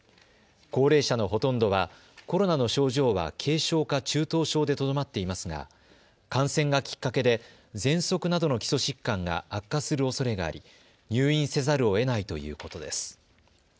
高齢者のほとんどはコロナの症状は軽症か中等症でとどまっていますが感染がきっかけでぜんそくなどの基礎疾患が悪化するおそれがあり入院せざるをえないということです。